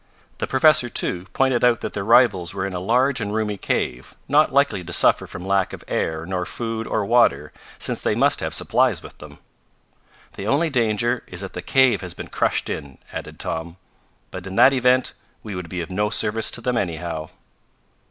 The professor, too, pointed out that their rivals were in a large and roomy cave, not likely to suffer from lack of air nor food or water, since they must have supplies with them. "The only danger is that the cave has been crushed in," added Tom; "but in that event we would be of no service to them anyhow."